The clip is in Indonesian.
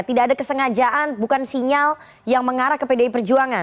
tidak ada kesengajaan bukan sinyal yang mengarah ke pdi perjuangan